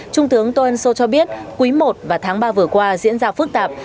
trung tướng tôn sô cho biết quý i và tháng ba vừa qua diễn ra phức tạp